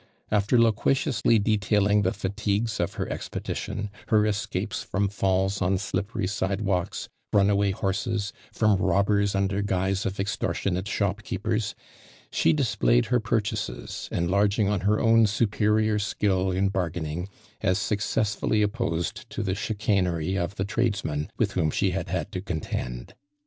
After loquaciously detailing the fatigues of her expedition, her escapes from falls on slippery side walksj runaway horses, from robbei s under guise of extortionate shopkeepers, 'she displayed her purchases, enlarging on her own supe rior skill in bargaining, as successfmly opposed to the chicanery of the tradesman with whom she had had to contend.